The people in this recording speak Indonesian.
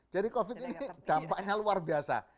jadi covid ini dampaknya luar biasa